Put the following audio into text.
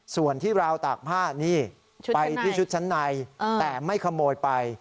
ส่วนที่ราวตากผ้านี่ไปที่ชุดชั้นในแต่ไม่ขโมยไป